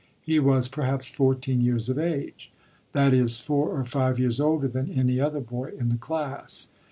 He was perhaps fourteen years of age; that is, four or five years older than any other boy in the class.